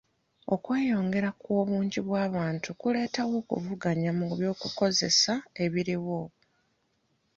Okweyongera kw'obungi bw'abantu kuleetawo okuvuganya ku by'okukozesa ebiriwo.